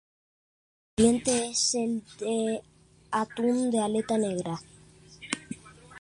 Su nombre corriente es el de atún de aleta negra.